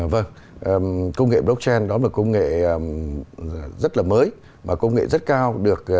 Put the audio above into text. vâng công nghệ blockchain đó là một công nghệ rất là mới và công nghệ rất cao được